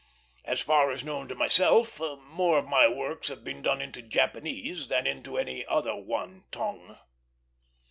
As far as known to myself, more of my works have been done into Japanese than into any other one tongue.